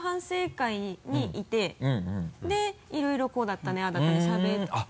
でいろいろこうだったねああだったねしゃべって。